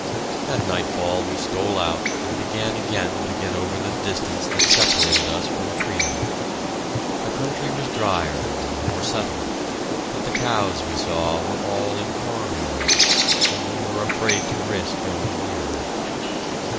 At nightfall we stole out and began again to get over the distance that separated us from freedom. The country was drier and more settled, but the cows, we saw, were all in farmyards, and we were afraid to risk going near them.